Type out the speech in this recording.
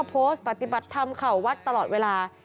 ธรรมธมโมออกก็ชอบโพสต์ปฏิบัติธรรมเข่าวัดตลอดเวลา